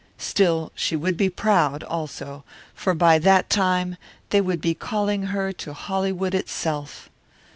Still she would be proud, also, for by that time they would be calling her to Hollywood itself.